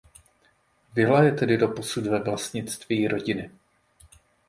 Vila je tedy doposud ve vlastnictví rodiny.